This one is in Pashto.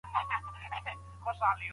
ایا افغان سوداګر بادام پروسس کوي؟